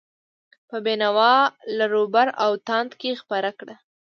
په بینوا، لراوبر او تاند کې خپره کړه.